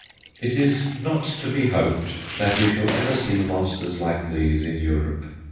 It is not to be hoped that we shall ever see monsters like these in Europe.